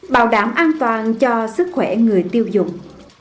bảo đảm an toàn cho sức khỏe người tiêu dùng